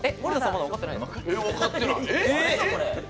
わかってない。